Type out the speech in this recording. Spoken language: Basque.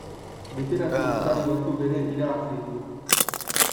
Literatur sari batzuk ere irabazi ditu.